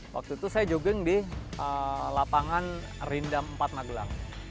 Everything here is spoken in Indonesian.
waktu itu saya jogeng di lapangan rindam empat magelang